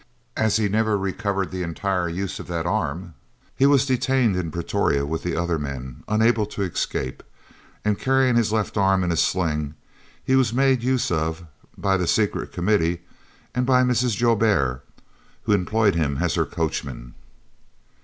As he never recovered the entire use of that arm, he was detained in Pretoria with other men unable to escape, and, carrying his left arm in a sling, he was made use of by the Secret Committee and by Mrs. Joubert, who employed him as her coachman.